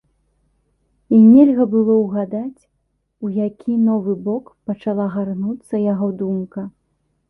І нельга было ўгадаць, у які новы бок пачала гарнуцца яго думка.